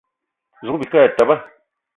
Zouga bike e teba.